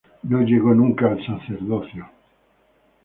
No llegó nunca al sacerdocio.